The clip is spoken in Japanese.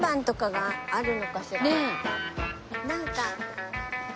なんか。